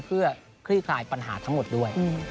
เพื่อคลี่คลายปัญหาทั้งหมดด้วย